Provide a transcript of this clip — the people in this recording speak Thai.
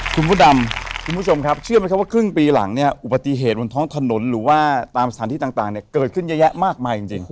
คุณพระดำคุณผู้ชมครับเชื่อไหมครับว่าครึ่งปีหลังเนี่ยอุบัติเหตุบนท้องถนนหรือว่าตามสถานที่ต่างเนี่ยเกิดขึ้นเยอะแยะมากมายจริง